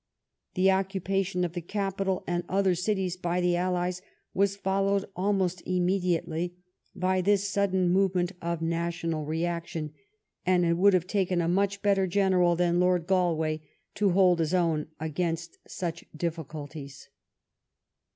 The occupation of the capital and other cities by the allies was followed almost immediately by this sudden movement of national reaction, and it would have taken a much better general than Lord Galway to hold his own under such difficulties.